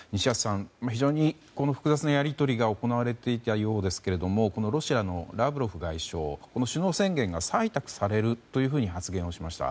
非常に複雑なやり取りが行われていたようですがこのロシアのラブロフ外相首脳宣言が採択されると発言をしました。